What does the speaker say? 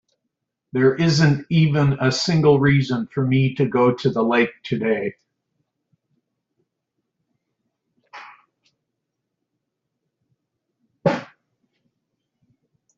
There isn't even a single reason for me to go to the lake today.